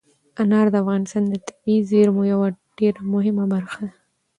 انار د افغانستان د طبیعي زیرمو یوه ډېره مهمه برخه ده.